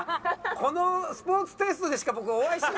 このスポーツテストでしか僕お会いしない。